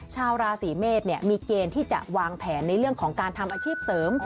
ชาวราศีเมษมีเกณฑ์ที่จะวางแผนในเรื่องของการทำอาชีพเสริม